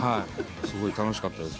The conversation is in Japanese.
すごい楽しかったです